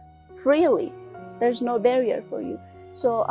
tidak ada perintah untuk anda